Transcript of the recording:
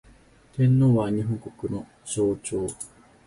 天皇は、日本国の象徴